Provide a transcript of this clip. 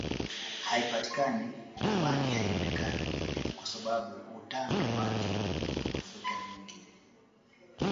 Haipatikani na rangi haionekani kwa sababu utando wake una mafuta mengi